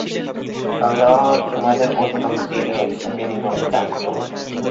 আল্লাহ তোমাদের উত্তম বিনিময় দান করুন।